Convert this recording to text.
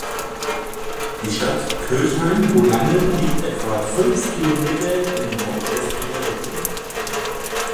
Die Stadt Kirchheimbolanden liegt etwa fünf Kilometer in nordwestlicher Richtung.